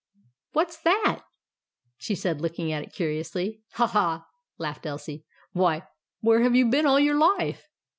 "What's that?" she said, looking at it curiously. " Ha, ha," laughed Elsie. " Why, where have you been all your life